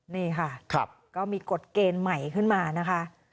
นี่ค่ะก็มีกฎเกณฑ์ใหม่ขึ้นมานะคะ